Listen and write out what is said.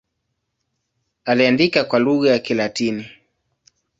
Aliandika kwa lugha ya Kilatini.